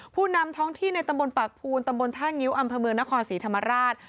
ผู้นำท้องที่ในตำบลปากภูนตำบลท่างิ้วอำเภอเมืองนครศรีธรรมราช